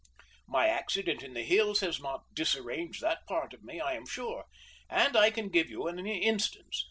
My accident in the hills has not disarranged that part of me, I am sure, and I can give you an instance.